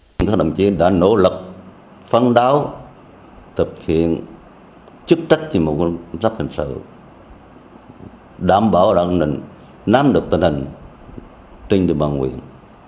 công an huyện sơn tịnh đã nỗ lực phân đáo thực hiện chức trách như một quân sắc hình sự đảm bảo đảm năng nắm được tình hình trên địa bàn huyện